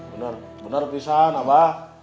benar benar pisah naba